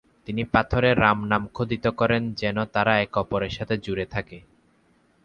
তিনি পাথরে রাম নাম খোদিত করেন যেন তারা একে অপরের সাথে জুড়ে থাকে।